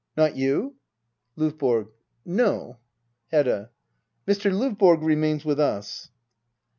] Not you.'' LdVBORG. No. Hedda. Mr. Lovborg remains with us.